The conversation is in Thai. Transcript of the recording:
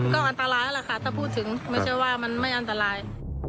ก็อันตรายแล้วล่ะค่ะถ้าพูดถึงไม่ใช่ว่ามันไม่อันตราย